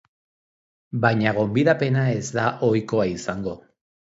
Baina gonbidapena ez da ohikoa izango.